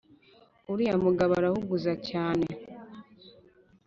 uriya mugabo arahuguza cyane